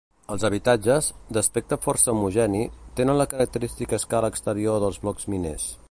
Els habitatges, d'aspecte força homogeni, tenen la característica escala exterior dels blocs miners.